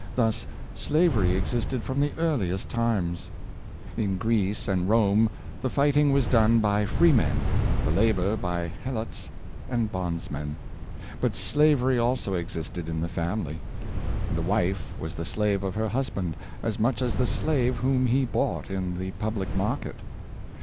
Thus slavery existed from the earliest times. In Greece and Rome the fighting was done by freemen, the labor by helots and bondsmen. But slavery also existed in the family. The wife was the slave of her husband, as much as the slave whom he bought in the public market.